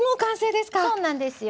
そうなんですよ